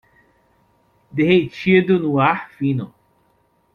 Derretido no ar fino